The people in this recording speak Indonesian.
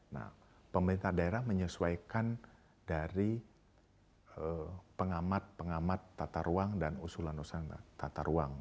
nah pemerintah daerah menyesuaikan dari pengamat pengamat tata ruang dan usulan usulan tata ruang